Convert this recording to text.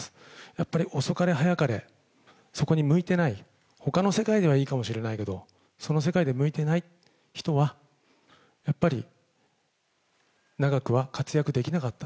やっぱり遅かれ早かれ、そこに向いてない、ほかの世界ではいいかもしれないけど、その世界で向いてない人は、やっぱり長くは活躍できなかった。